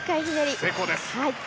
成功です。